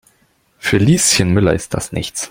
Für Lieschen Müller ist das nichts.